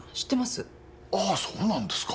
ああそうなんですか？